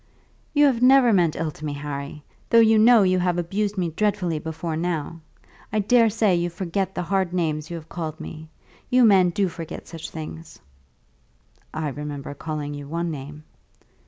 "You have never meant ill to me, Harry; though you know you have abused me dreadfully before now. I daresay you forget the hard names you have called me. You men do forget such things." "I remember calling you one name."